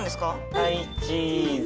はいチーズ！